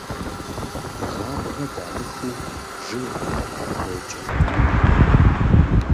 Гъабгъэ дамыхыу жыгхэм къапокӀэ.